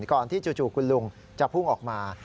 ก่อนที่จู่คุณลุงจะพุ่งออกมา